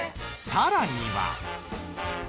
さらには。